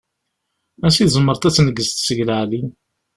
Ansi tzemreḍ ad d-tneggzeḍ seg leεli?